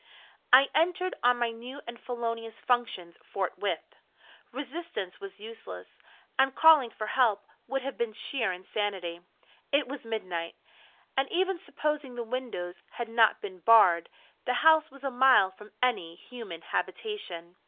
I entered on my new and felonious functions forthwith. Resistance was useless, and calling for help would have been sheer insanity. It was midnight; and, even supposing the windows had not been barred, the house was a mile from any human habitation.